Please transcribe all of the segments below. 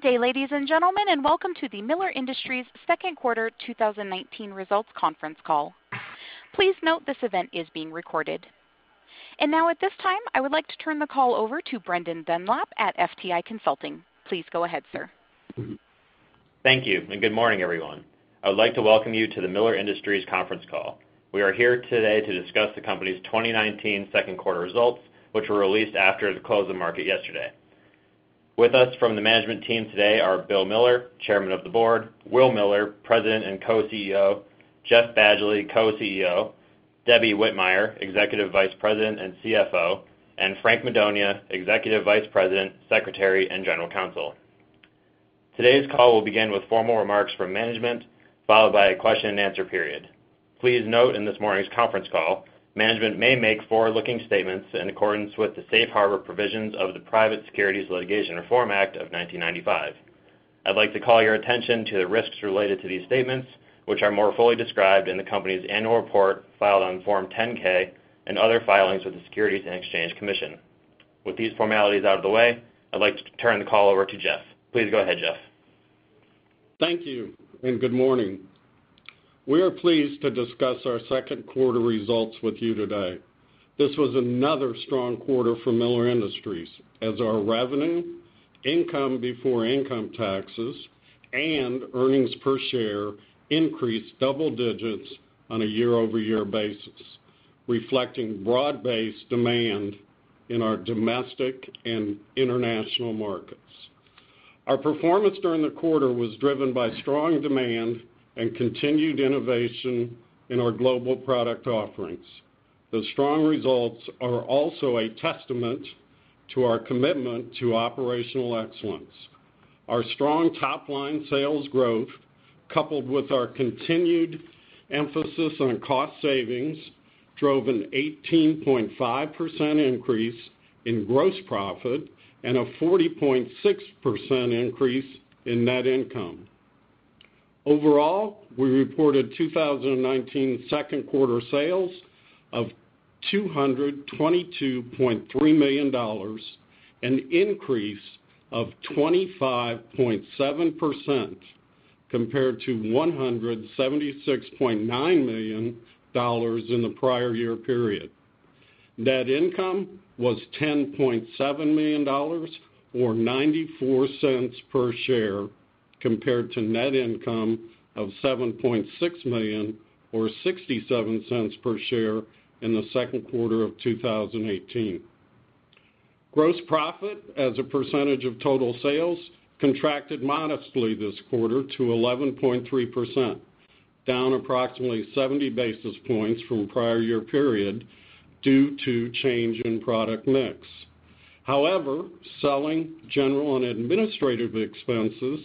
Good day, ladies and gentlemen, welcome to the Miller Industries Second Quarter 2019 Results Conference Call. Please note this event is being recorded. Now at this time, I would like to turn the call over to Brendan Dunlap at FTI Consulting. Please go ahead, sir. Thank you, good morning, everyone. I would like to welcome you to the Miller Industries conference call. We are here today to discuss the company's 2019 second quarter results, which were released after the close of market yesterday. With us from the management team today are Will G. Miller, Chairman of the Board, William G. Miller, II, President and Co-CEO, Jeff Badgley, Co-CEO, Debbie Whitmire, Executive Vice President and CFO, and Frank Madonia, Executive Vice President, Secretary, and General Counsel. Today's call will begin with formal remarks from management, followed by a question and answer period. Please note in this morning's conference call, management may make forward-looking statements in accordance with the safe harbor provisions of the Private Securities Litigation Reform Act of 1995. I'd like to call your attention to the risks related to these statements, which are more fully described in the company's annual report filed on Form 10-K and other filings with the Securities and Exchange Commission. With these formalities out of the way, I'd like to turn the call over to Jeff. Please go ahead, Jeff. Thank you, and good morning. We are pleased to discuss our second quarter results with you today. This was another strong quarter for Miller Industries, as our revenue, income before income taxes, and earnings per share increased double digits on a year-over-year basis, reflecting broad-based demand in our domestic and international markets. Our performance during the quarter was driven by strong demand and continued innovation in our global product offerings. The strong results are also a testament to our commitment to operational excellence. Our strong top-line sales growth, coupled with our continued emphasis on cost savings, drove an 18.5% increase in gross profit and a 40.6% increase in net income. Overall, we reported 2019 second quarter sales of $222.3 million, an increase of 25.7% compared to $176.9 million in the prior year period. Net income was $10.7 million, or $0.94 per share, compared to net income of $7.6 million, or $0.67 per share, in the second quarter of 2018. Gross profit as a percentage of total sales contracted modestly this quarter to 11.3%, down approximately 70 basis points from prior year period due to change in product mix. Selling, general, and administrative expenses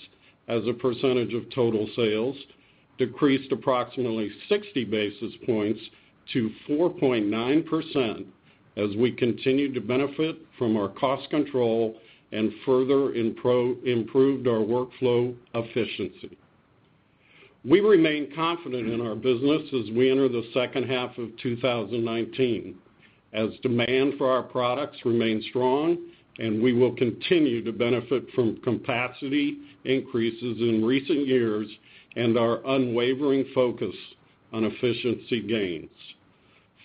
as a percentage of total sales decreased approximately 60 basis points to 4.9% as we continued to benefit from our cost control and further improved our workflow efficiency. We remain confident in our business as we enter the second half of 2019, as demand for our products remains strong, and we will continue to benefit from capacity increases in recent years and our unwavering focus on efficiency gains.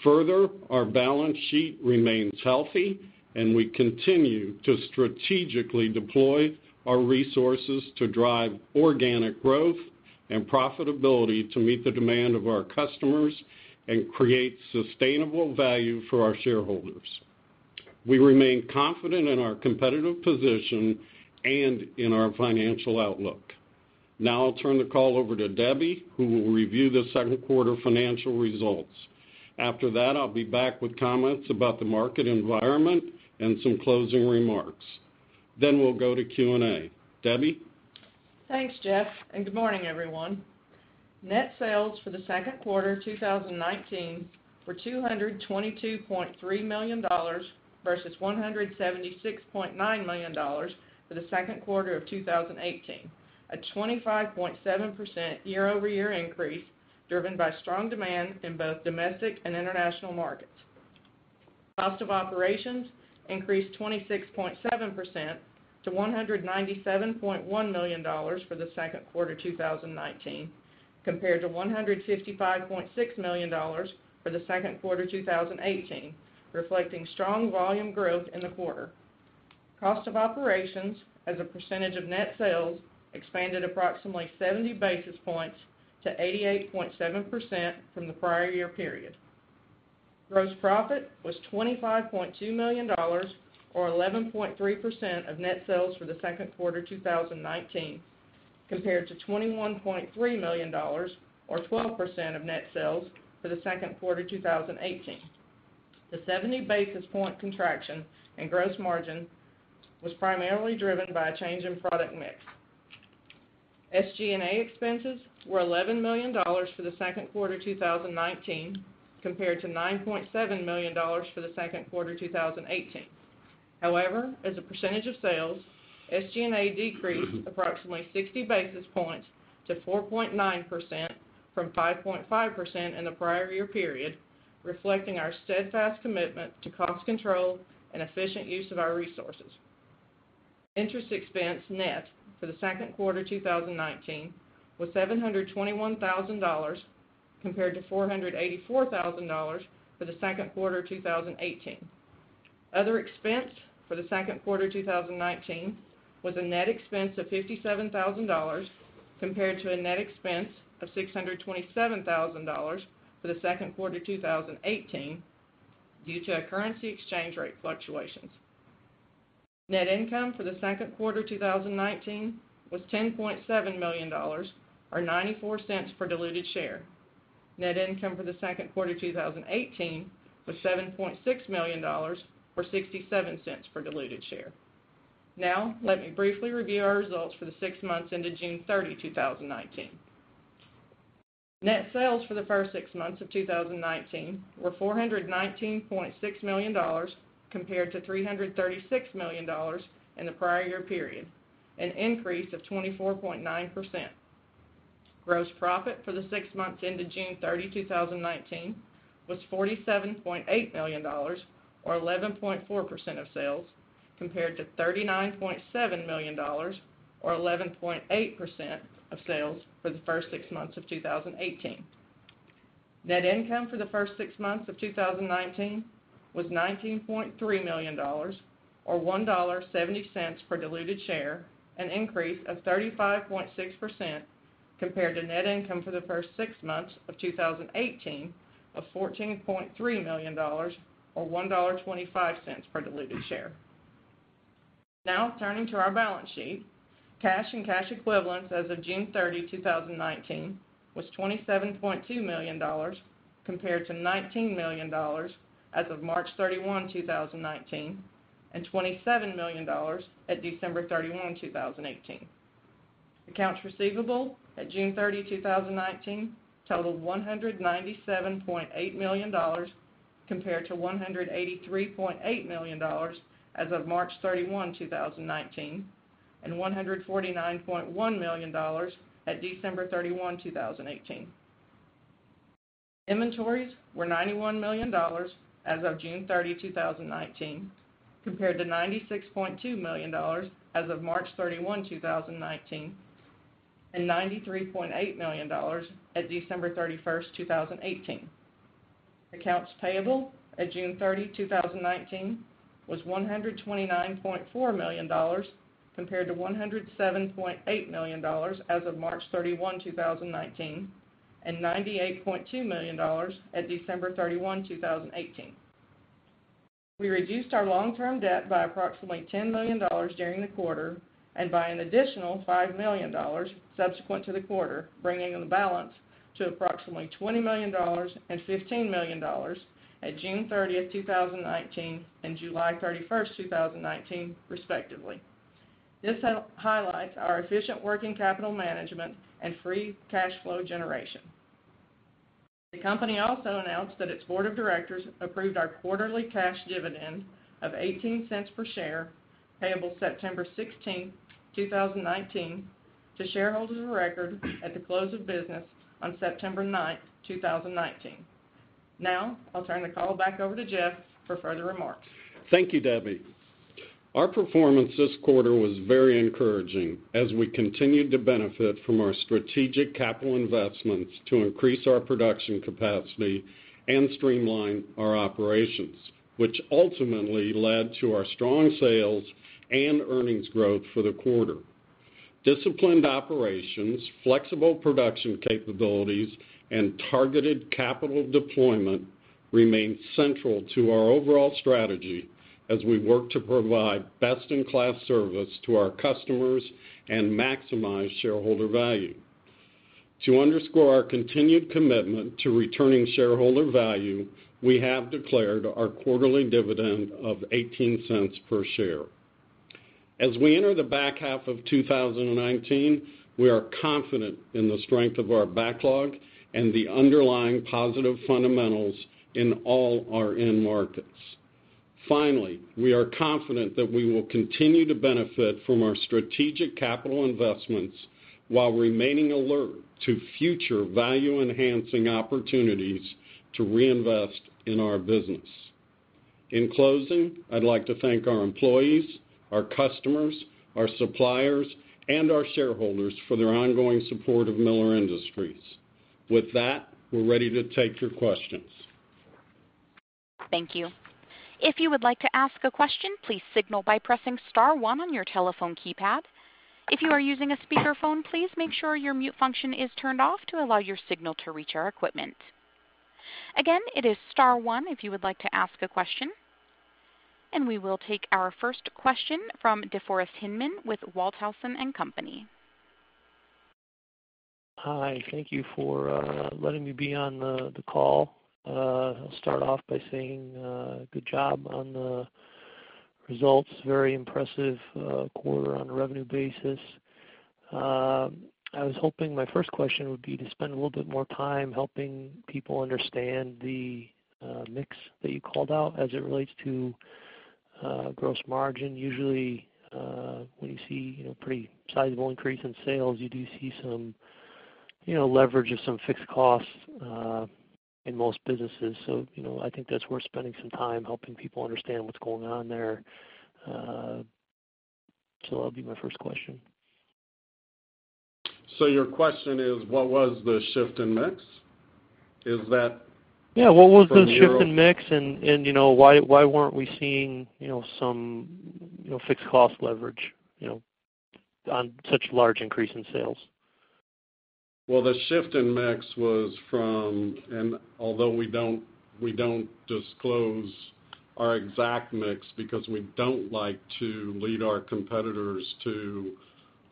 Further, our balance sheet remains healthy, and we continue to strategically deploy our resources to drive organic growth and profitability to meet the demand of our customers and create sustainable value for our shareholders. We remain confident in our competitive position and in our financial outlook. Now I'll turn the call over to Debbie, who will review the second quarter financial results. After that, I'll be back with comments about the market environment and some closing remarks. We'll go to Q&A. Debbie? Thanks, Jeff. Good morning, everyone. Net sales for the second quarter 2019 were $222.3 million, versus $176.9 million for the second quarter of 2018, a 25.7% year-over-year increase driven by strong demand in both domestic and international markets. Cost of operations increased 26.7% to $197.1 million for the second quarter 2019, compared to $155.6 million for the second quarter 2018, reflecting strong volume growth in the quarter. Cost of operations as a percentage of net sales expanded approximately 70 basis points to 88.7% from the prior year period. Gross profit was $25.2 million, or 11.3% of net sales for the second quarter 2019, compared to $21.3 million, or 12% of net sales, for the second quarter 2018. The 70 basis point contraction in gross margin was primarily driven by a change in product mix. SG&A expenses were $11 million for the second quarter 2019, compared to $9.7 million for the second quarter 2018. As a percentage of sales, SG&A decreased approximately 60 basis points to 4.9% from 5.5% in the prior year period. Reflecting our steadfast commitment to cost control and efficient use of our resources. Interest expense net for the second quarter 2019 was $721,000, compared to $484,000 for the second quarter 2018. Other expense for the second quarter 2019 was a net expense of $57,000, compared to a net expense of $627,000 for the second quarter 2018, due to currency exchange rate fluctuations. Net income for the second quarter 2019 was $10.7 million, or $0.94 for diluted share. Net income for the second quarter 2018 was $7.6 million, or $0.67 for diluted share. Let me briefly review our results for the six months into June 30, 2019. Net sales for the first six months of 2019 were $419.6 million compared to $336 million in the prior year period, an increase of 24.9%. Gross profit for the six months into June 30, 2019 was $47.8 million, or 11.4% of sales, compared to $39.7 million, or 11.8% of sales for the first six months of 2018. Net income for the first six months of 2019 was $19.3 million, or $1.70 for diluted share, an increase of 35.6% compared to net income for the first six months of 2018 of $14.3 million, or $1.25 for diluted share. Now, turning to our balance sheet. Cash and cash equivalents as of June 30, 2019 was $27.2 million, compared to $19 million as of March 31, 2019, and $27 million at December 31, 2018. Accounts receivable at June 30, 2019 totaled $197.8 million, compared to $183.8 million as of March 31, 2019, and $149.1 million at December 31, 2018. Inventories were $91 million as of June 30, 2019, compared to $96.2 million as of March 31, 2019, and $93.8 million at December 31, 2018. Accounts payable at June 30, 2019 was $129.4 million, compared to $107.8 million as of March 31, 2019, and $98.2 million at December 31, 2018. We reduced our long-term debt by approximately $10 million during the quarter, and by an additional $5 million subsequent to the quarter, bringing the balance to approximately $20 million and $15 million at June 30, 2019 and July 31, 2019 respectively. This highlights our efficient working capital management and free cash flow generation. The company also announced that its board of directors approved our quarterly cash dividend of $0.18 per share, payable September 16, 2019 to shareholders of record at the close of business on September 9, 2019. I'll turn the call back over to Jeff for further remarks. Thank you, Debbie. Our performance this quarter was very encouraging as we continued to benefit from our strategic capital investments to increase our production capacity and streamline our operations, which ultimately led to our strong sales and earnings growth for the quarter. Disciplined operations, flexible production capabilities, and targeted capital deployment remain central to our overall strategy as we work to provide best-in-class service to our customers and maximize shareholder value. To underscore our continued commitment to returning shareholder value, we have declared our quarterly dividend of $0.18 per share. As we enter the back half of 2019, we are confident in the strength of our backlog and the underlying positive fundamentals in all our end markets. Finally, we are confident that we will continue to benefit from our strategic capital investments while remaining alert to future value-enhancing opportunities to reinvest in our business. In closing, I'd like to thank our employees, our customers, our suppliers, and our shareholders for their ongoing support of Miller Industries. With that, we're ready to take your questions. Thank you. If you would like to ask a question, please signal by pressing *1 on your telephone keypad. If you are using a speakerphone, please make sure your mute function is turned off to allow your signal to reach our equipment. Again, it is *1 if you would like to ask a question. We will take our first question from DeForest Hinman with Walthausen & Company. Hi. Thank you for letting me be on the call. I'll start off by saying good job on the results. Very impressive quarter on a revenue basis. I was hoping my first question would be to spend a little bit more time helping people understand the mix that you called out as it relates to gross margin. Usually, when you see a pretty sizable increase in sales, you do see some leverage of some fixed costs in most businesses. I think that's worth spending some time helping people understand what's going on there. That'll be my first question. Your question is, what was the shift in mix? Is that? Yeah. What was the shift in mix and why weren't we seeing some fixed cost leverage on such large increase in sales? Well, the shift in mix was from And although we don't disclose our exact mix because we don't like to lead our competitors to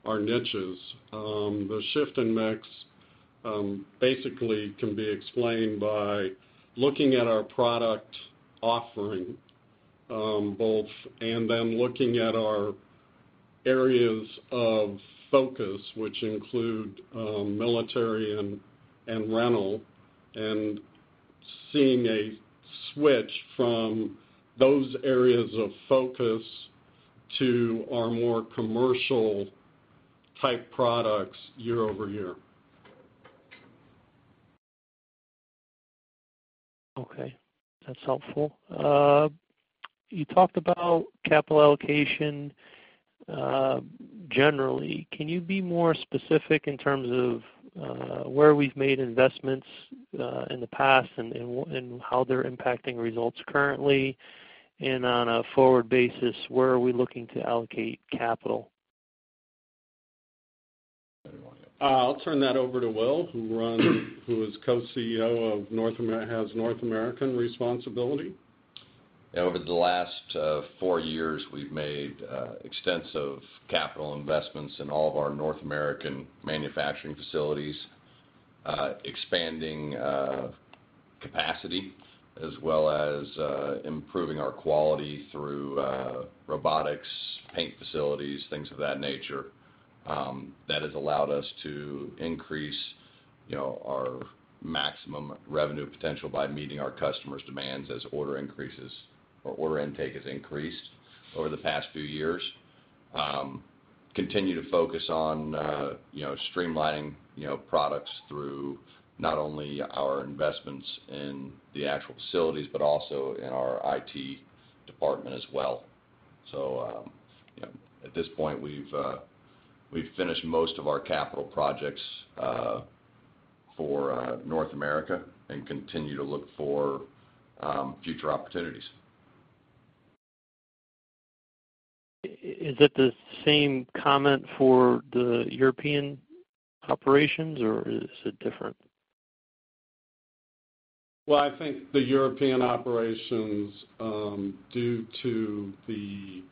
our niches. The shift in mix, basically, can be explained by looking at our product offering, both, and then looking at our areas of focus, which include military and rental, and seeing a switch from those areas of focus to our more commercial type products year-over-year. Okay. That's helpful. You talked about capital allocation, generally. Can you be more specific in terms of where we've made investments in the past and how they're impacting results currently? On a forward basis, where are we looking to allocate capital? I'll turn that over to Will, who is Co-CEO, has North American responsibility. Over the last four years, we've made extensive capital investments in all of our North American manufacturing facilities, expanding capacity as well as improving our quality through robotics, paint facilities, things of that nature. That has allowed us to increase our maximum revenue potential by meeting our customers' demands as order increases or order intake has increased over the past few years. Continue to focus on streamlining products through not only our investments in the actual facilities, but also in our IT department as well. At this point, we've finished most of our capital projects for North America and continue to look for future opportunities. Is it the same comment for the European operations, or is it different? Well, I think the European operations, due to the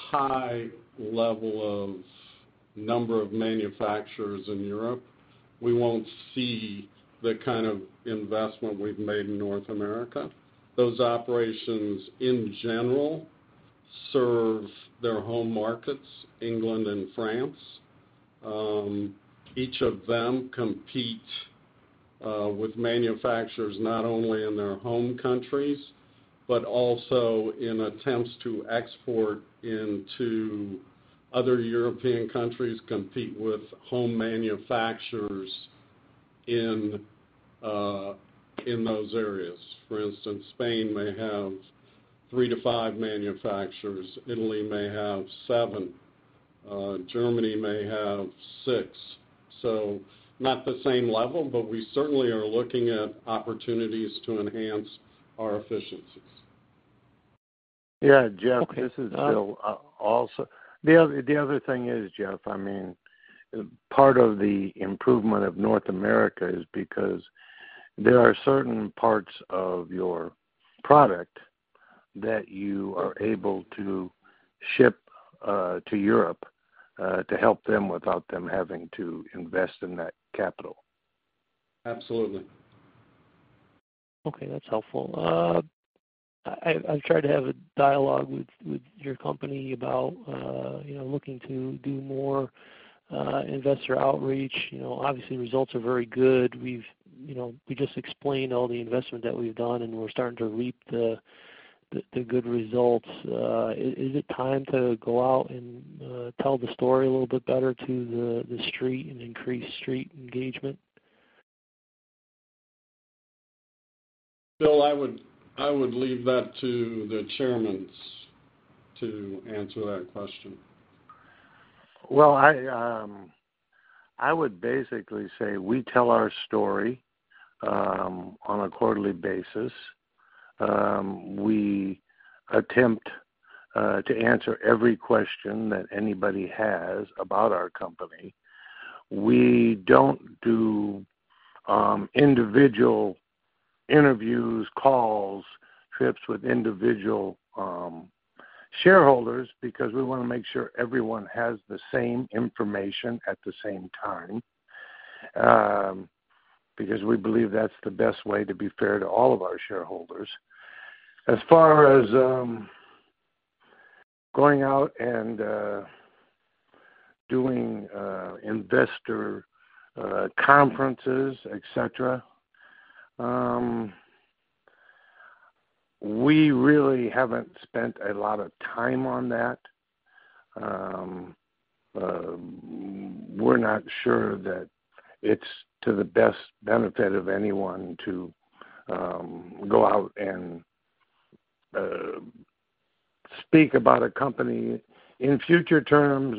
high level of number of manufacturers in Europe, we won't see the kind of investment we've made in North America. Those operations, in general, serve their home markets, England and France. Each of them compete with manufacturers, not only in their home countries, but also in attempts to export into other European countries, compete with home manufacturers in those areas. For instance, Spain may have three to five manufacturers, Italy may have seven, Germany may have six. Not the same level, but we certainly are looking at opportunities to enhance our efficiencies. Yeah, Jeff, this is Will. The other thing is, Jeff, part of the improvement of North America is because there are certain parts of your product that you are able to ship to Europe, to help them without them having to invest in that capital. Absolutely. Okay. That's helpful. I've tried to have a dialogue with your company about looking to do more investor outreach. Obviously, results are very good. We just explained all the investment that we've done, and we're starting to reap the good results. Is it time to go out and tell the story a little bit better to the street and increase street engagement? Will, I would leave that to the chairmen to answer that question. Well, I would basically say we tell our story on a quarterly basis. We attempt to answer every question that anybody has about our company. We don't do individual interviews, calls, trips with individual shareholders because we want to make sure everyone has the same information at the same time, because we believe that's the best way to be fair to all of our shareholders. Going out and doing investor conferences, et cetera, we really haven't spent a lot of time on that. We're not sure that it's to the best benefit of anyone to go out and speak about a company in future terms,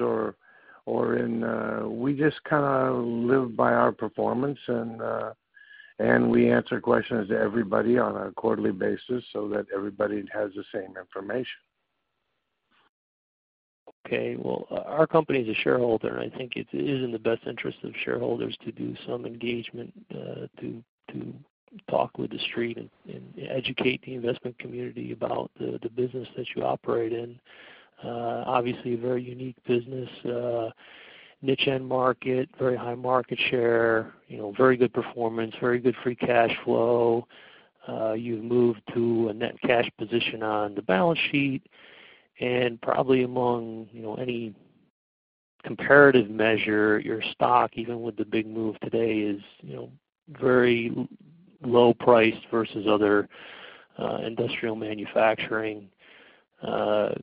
or we just live by our performance, and we answer questions to everybody on a quarterly basis so that everybody has the same information. Okay. Well, our company is a shareholder, I think it is in the best interest of shareholders to do some engagement, to talk with the Street and educate the investment community about the business that you operate in. Obviously, a very unique business, niche end market, very high market share, very good performance, very good free cash flow. You've moved to a net cash position on the balance sheet. Probably among any comparative measure, your stock, even with the big move today, is very low priced versus other industrial manufacturing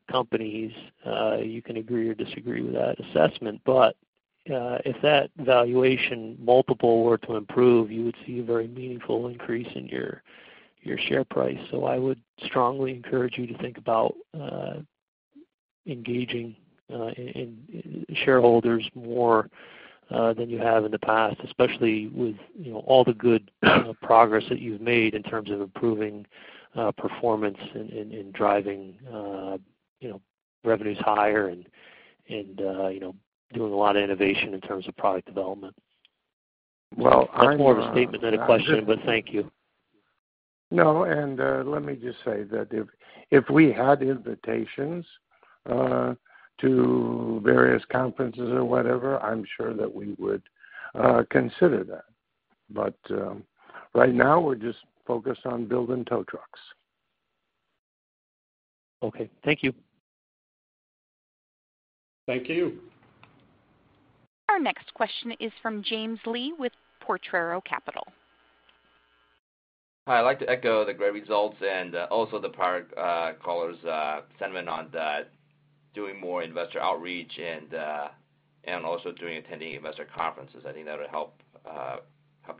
companies. You can agree or disagree with that assessment. If that valuation multiple were to improve, you would see a very meaningful increase in your share price. I would strongly encourage you to think about engaging shareholders more than you have in the past, especially with all the good progress that you've made in terms of improving performance and driving revenues higher and doing a lot of innovation in terms of product development. Well. That's more of a statement than a question, but thank you. No. Let me just say that if we had invitations to various conferences or whatever, I'm sure that we would consider that. Right now, we're just focused on building tow trucks. Okay. Thank you. Thank you. Our next question is from James Lee with Potrero Capital. Hi, I'd like to echo the great results and also the prior caller's sentiment on that. Doing more investor outreach and also attending investor conferences. I think that'll help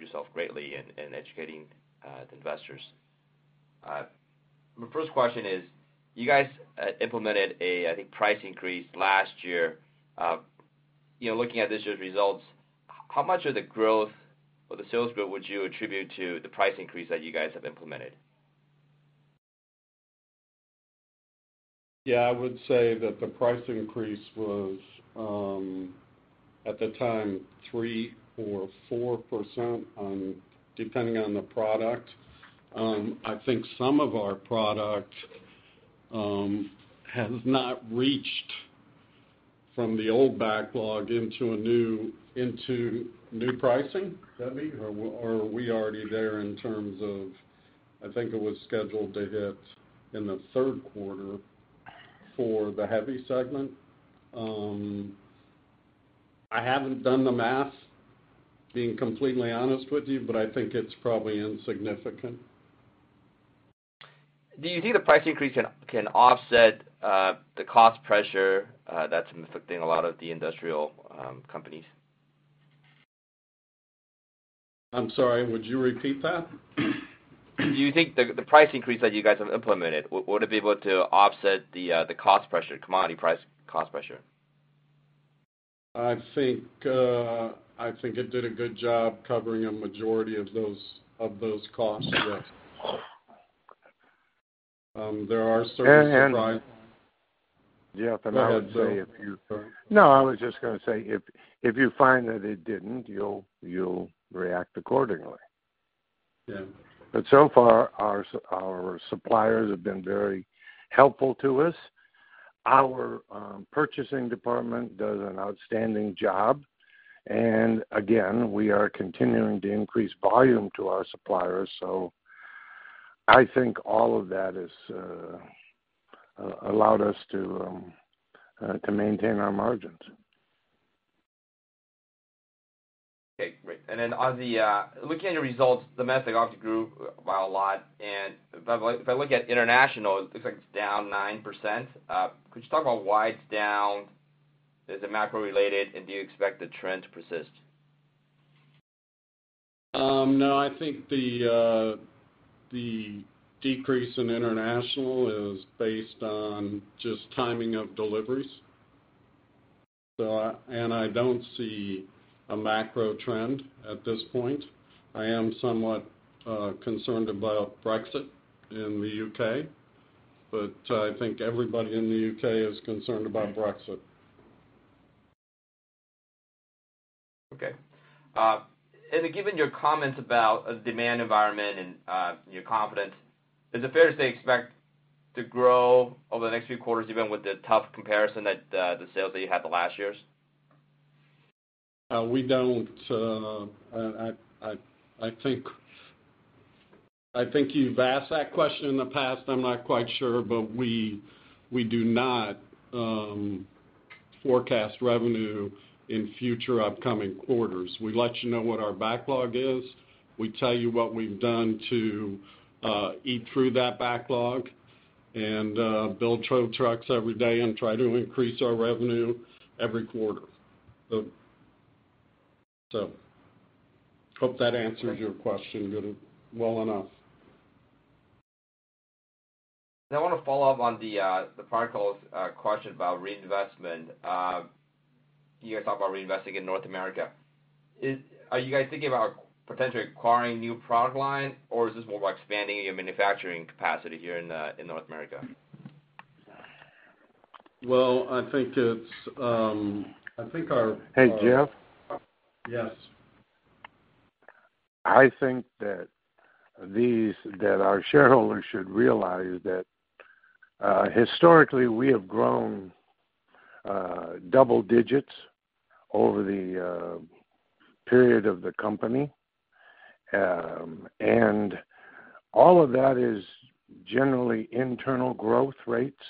yourself greatly in educating the investors. My first question is, you guys implemented a, I think, price increase last year. Looking at this year's results, how much of the growth or the sales growth would you attribute to the price increase that you guys have implemented? Yeah, I would say that the price increase was, at the time, 3% or 4% depending on the product. I think some of our product has not reached from the old backlog into new pricing. Is that me, or are we already there in terms of, I think it was scheduled to hit in the third quarter for the heavy segment. I haven't done the math, being completely honest with you, I think it's probably insignificant. Do you think the price increase can offset the cost pressure that's affecting a lot of the industrial companies? I'm sorry, would you repeat that? Do you think the price increase that you guys have implemented, would it be able to offset the cost pressure, commodity price cost pressure? I think it did a good job covering a majority of those costs. There are certain supplies. Jeff, I would say. Go ahead, Will. You were saying? No, I was just going to say, if you find that it didn't, you'll react accordingly. Yeah. So far, our suppliers have been very helpful to us. Our purchasing department does an outstanding job. Again, we are continuing to increase volume to our suppliers. I think all of that has allowed us to maintain our margins. Okay, great. Looking at your results, domestic obviously grew by a lot. If I look at international, it looks like it's down 9%. Could you talk about why it's down? Is it macro-related, and do you expect the trend to persist? No, I think the decrease in international is based on just timing of deliveries. I don't see a macro trend at this point. I am somewhat concerned about Brexit in the U.K., I think everybody in the U.K. is concerned about Brexit. Okay. Given your comments about a demand environment and your confidence, is it fair to say expect to grow over the next few quarters, even with the tough comparison that the sales that you had the last years? We don't. I think you've asked that question in the past, I'm not quite sure, but we do not forecast revenue in future upcoming quarters. We let you know what our backlog is. We tell you what we've done to eat through that backlog and build tow trucks every day and try to increase our revenue every quarter. Hope that answers your question well enough. I want to follow up on the prior caller's question about reinvestment. You guys talk about reinvesting in North America. Are you guys thinking about potentially acquiring new product line, or is this more about expanding your manufacturing capacity here in North America? Well, I think. Hey, Jeff? Yes. I think that our shareholders should realize that historically we have grown double digits over the period of the company. All of that is generally internal growth rates,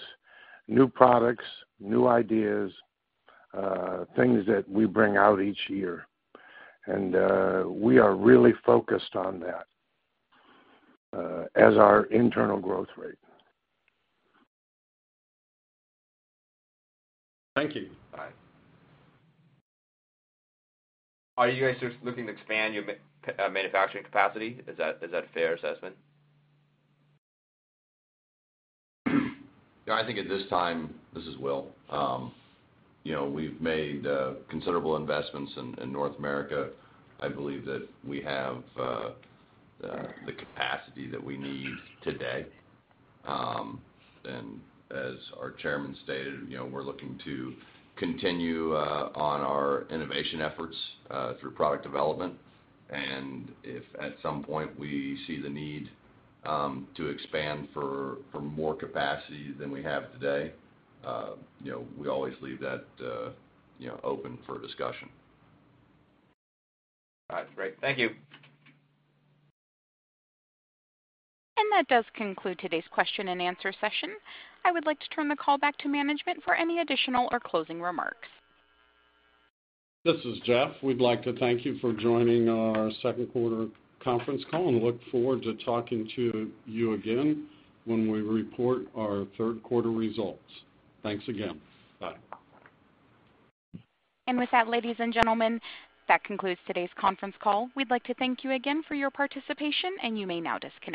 new products, new ideas, things that we bring out each year. We are really focused on that as our internal growth rate. Thank you. Bye. Are you guys just looking to expand your manufacturing capacity? Is that a fair assessment? I think at this time, this is Will, we've made considerable investments in North America. I believe that we have the capacity that we need today. As our Chairman stated, we're looking to continue on our innovation efforts, through product development. If at some point we see the need to expand for more capacity than we have today, we always leave that open for discussion. All right, great. Thank you. That does conclude today's question and answer session. I would like to turn the call back to management for any additional or closing remarks. This is Jeff. We'd like to thank you for joining our second quarter conference call and look forward to talking to you again when we report our third quarter results. Thanks again. Bye. With that, ladies and gentlemen, that concludes today's conference call. We'd like to thank you again for your participation, and you may now disconnect.